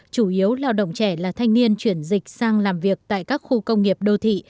chủ yếu lao động trẻ là thanh niên chuyển dịch sang làm việc tại các khu công nghiệp đô thị